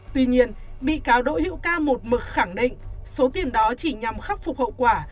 tuy nhiên bị cáo đỗ hữu ca một mực khẳng định số tiền đó chỉ nhằm khắc phục hậu quả